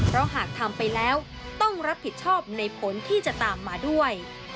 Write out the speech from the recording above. เพราะหากทำไปแล้วต้องรับผิดชอบในผลที่จะตามมาด้วย